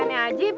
aneh aneh aja ibi